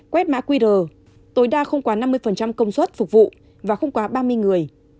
quét mã qr tối đa không quá năm mươi công suất phục vụ và không quá ba mươi người